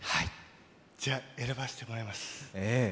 じゃ選ばせてもらいます。